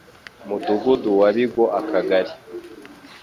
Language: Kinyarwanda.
mudugudu wa bigo akagari